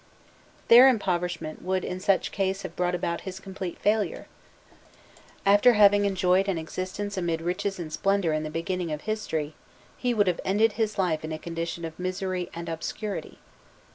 Their impoverishment would in such case have brought about his complete failure: after having enjoyed an existence amid riches and splendour in the beginning of history, he would have ended his life in a condition of misery and obscurity.